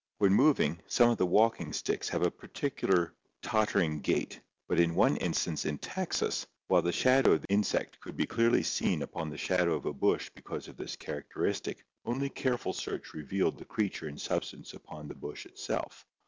When moving, some of the walking sticks have a peculiar tottering gait, but in one instance in Texas, while the shadow of the insect could be clearly seen upon the shadow of a bush because of this characteristic, only careful search revealed the creature in substance upon the bush itself.